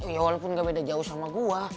ya walaupun gak beda jauh sama gue